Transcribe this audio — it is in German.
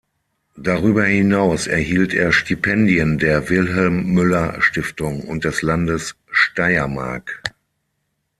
Darüber hinaus erhielt er Stipendien der Wilhelm-Müller-Stiftung und des Landes Steiermark.